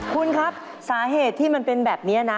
คุณครับสาเหตุที่มันเป็นแบบนี้นะ